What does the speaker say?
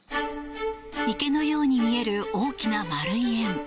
池のように見える大きな丸い円。